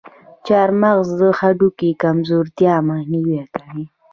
چارمغز د هډوکو کمزورتیا مخنیوی کوي.